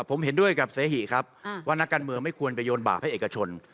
ผมเห็นด้วยกับเสหิครับว่านักการเมืองไม่ควรไปโยนบาปให้เอกชน